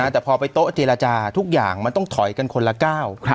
แต่พอไปโต๊ะเจรจาทุกอย่างมันต้องถอยกันคนละก้าว